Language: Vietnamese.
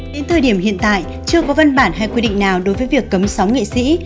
đến thời điểm hiện tại chưa có văn bản hay quy định nào đối với việc cấm sóng nghệ sĩ